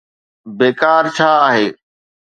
بيڪار ڇا آهي؟